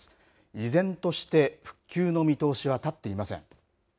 依然として復旧の見通しは立っていません。